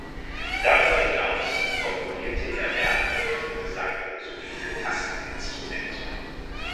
Darüber hinaus komponierte er Werke für Gesang sowie für Tasteninstrumente.